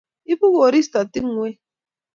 Ibu koristo tungwek